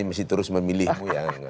mesti terus memilihmu ya